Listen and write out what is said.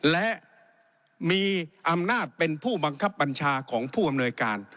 และมีอำนาจเป็นผู้บังคับบัญชาของผู้อำนวยการ